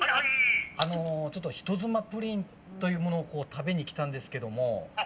ちょっと人妻プリンというものを食べに来たんですけれども。